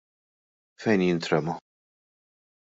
Fejn jintrema?